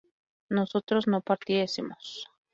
nosotros no partiésemos